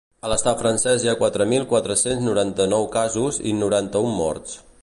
A l’estat francès hi ha quatre mil quatre-cents noranta-nou casos i noranta-un morts.